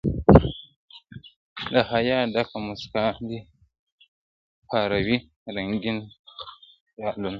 د حیا ډکه مُسکا دي پاروي رنګین خیالونه,